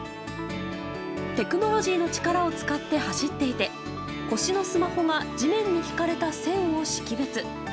テクノロジーの力を使って走っていて腰のスマホが地面に引かれた線を識別。